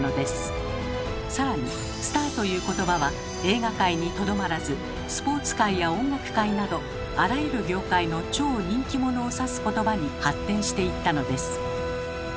さらに「スター」という言葉は映画界にとどまらずスポーツ界や音楽界などあらゆる業界の超人気者を指す言葉に発展していったのです。